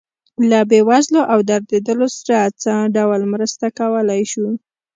له بې وزلو او دردېدلو سره څه ډول مرسته کولی شو.